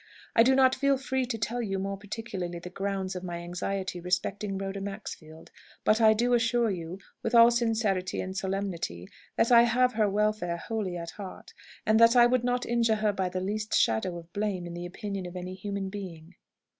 I do not feel free to tell you more particularly the grounds of my anxiety respecting Rhoda Maxfield. But I do assure you, with all sincerity and solemnity, that I have her welfare wholly at heart, and that I would not injure her by the least shadow of blame in the opinion of any human being."